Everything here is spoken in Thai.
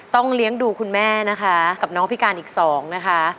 เลี้ยงดูคุณแม่นะคะกับน้องพิการอีกสองนะคะ